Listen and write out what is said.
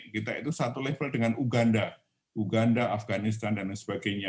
kita itu satu level dengan uganda uganda afganistan dsb